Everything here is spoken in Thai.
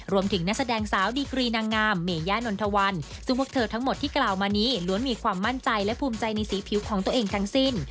นักแสดงสาวดีกรีนางงามเมย่านนทวันซึ่งพวกเธอทั้งหมดที่กล่าวมานี้ล้วนมีความมั่นใจและภูมิใจในสีผิวของตัวเองทั้งสิ้น